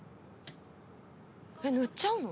えっ塗っちゃうの？